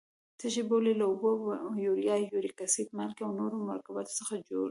تشې بولې له اوبو، یوریا، یوریک اسید، مالګې او نورو مرکباتو څخه عبارت دي.